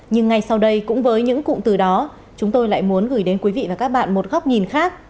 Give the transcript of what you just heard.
nhưng ngay sau đây cũng với những cụm từ đó chúng tôi lại muốn gửi đến quý vị và các bạn một góc nhìn khác